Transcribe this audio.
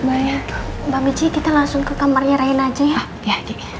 mbak michi kita langsung ke kamarnya raina aja ya